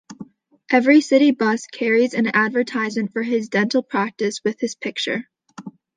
Every city bus carries an advertisement for his dental practice with his picture.